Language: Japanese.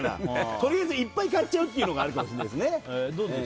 とりあえずいっぱい買っちゃうのはあるかもしれないです。